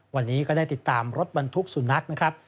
วันนี้ก็ได้ติดตามรถบรรทุกสุนัขนะครับ